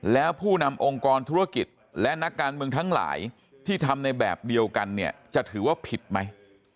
แล้วผู้นำองค์กรธุรกิจและนักการเมืองทั้งหลายที่ทำในแบบเดียวกันเนี่ยจะถือว่าผิดไหม